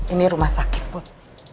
ini rumah sakit put